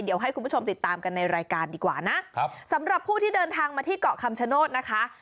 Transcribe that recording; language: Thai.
เดี๋ยวให้คุณผู้ชมติดตามกันในรายการดีกว่านะครับสำหรับผู้ที่เดินทางมาที่เกาะคำชโนธนะคะ